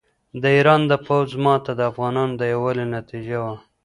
د ایران د پوځ ماته د افغانانو د یووالي نتیجه وه.